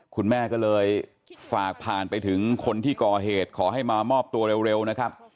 คุณแม่ก็เลยฝากผ่านไปถึงคนที่ก่อเหตุขอให้มามอบตัวเร็วนะครับ